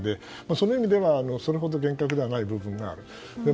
そういう意味ではそれほど厳格ではない部分がある。